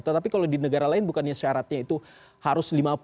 tetapi kalau di negara lain bukannya syaratnya itu harus lima puluh